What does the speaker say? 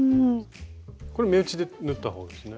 これ目打ちで縫ったほうですね？